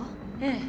ええ。